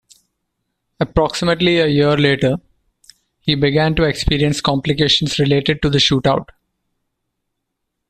Approximately a year later, he began to experience complications related to the shootout.